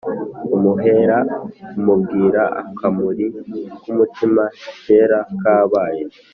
amuhera amubwira akamuri kumutima kera kabaye